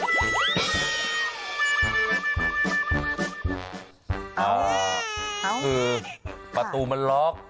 อ๋อคือประตูมันล็อค